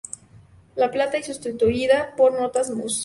La Plata" y sustituida por "Notas Mus.